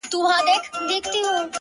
غواړم د پېړۍ لپاره مست جام د نشیې ،